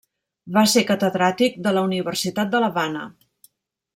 Va ser catedràtic de la Universitat de l'Havana.